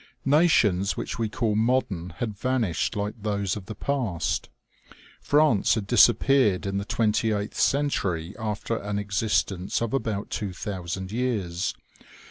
Nations which we call modern had vanished like those of the past. France had disappeared in the twenty eighth cen tury, after an existence of about two thousand years.